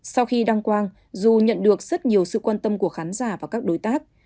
sau khi đăng quang dù nhận được rất nhiều sự quan tâm của khán giả và các đối tác